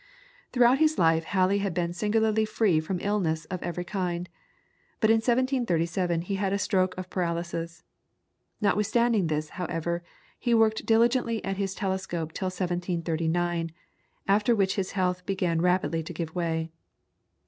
Throughout his life Halley had been singularly free from illness of every kind, but in 1737 he had a stroke of paralysis. Notwithstanding this, however, he worked diligently at his telescope till 1739, after which his health began rapidly to give way.